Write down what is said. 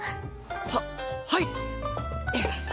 ははい！